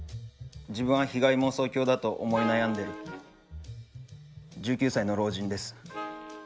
自分は被害妄想狂だと思い悩んでる１９歳の老人です。